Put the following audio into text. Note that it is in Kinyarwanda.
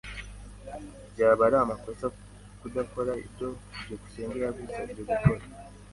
Byaba ari amakosa kudakora ibyo byukusenge yagusabye gukora.